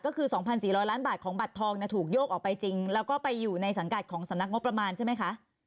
ก็คือ๒๔๐๐ล้านบาทของบัตรทองถูกโยกออกไปจริงแล้วก็ไปอยู่ในสังกัดของสำนักงบประมาณใช่ไหมคะ